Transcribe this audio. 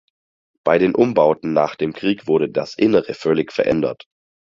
Bei den Umbauten nach dem Krieg wurde das Innere völlig verändert.